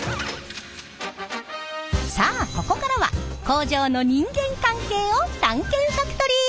さあここからは工場の人間関係を探検ファクトリー！